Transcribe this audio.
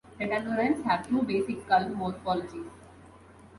Tetanurans have two basic skull morphologies.